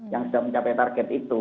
yang sudah mencapai target itu